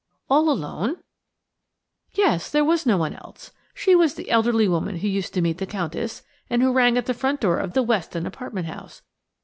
"All alone?" "Yes; there was no one else. She was the elderly woman who used to meet the Countess, and who rang at the front door of the Weston apartment house.